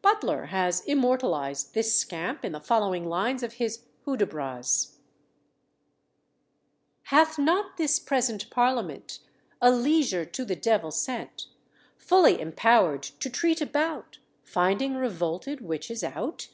Butler has immortalised this scamp in the following lines of his Hudibras: "Hath not this present Parliament A lieger to the devil sent, Fully empower'd to treat about Finding revolted witches out?